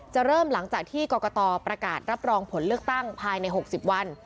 เริ่มหลังจากที่กรกตประกาศรับรองผลเลือกตั้งภายใน๖๐วัน